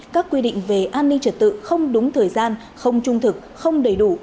các quy định về an ninh trật tự không đúng thời gian không trung thực không đầy đủ